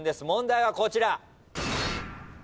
問題はこちら。